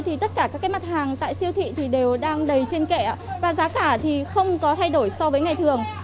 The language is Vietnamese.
tất cả các mặt hàng tại siêu thị đều đang đầy trên kẹ và giá cả không có thay đổi so với ngày thường